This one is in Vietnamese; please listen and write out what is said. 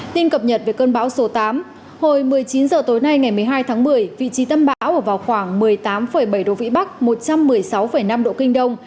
tin cập nhật về cơn bão số tám hồi một mươi chín h tối nay ngày một mươi hai tháng một mươi vị trí tâm bão ở vào khoảng một mươi tám bảy độ vĩ bắc một trăm một mươi sáu năm độ kinh đông